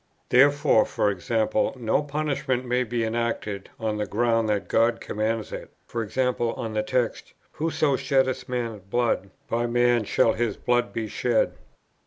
Therefore, e.g. no punishment may be enacted, on the ground that God commands it: e.g. on the text, "Whoso sheddeth man's blood, by man shall his blood be shed."